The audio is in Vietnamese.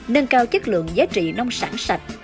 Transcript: nâng cao chất lượng giá trị nông sản sạch